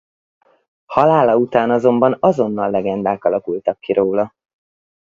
Halála után azonban azonnal legendák alakultak ki róla.